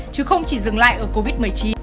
chứ không chỉ dừng lại ở covid một mươi chín